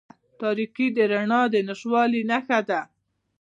تاریکې د رڼا د نشتوالي نښه ده.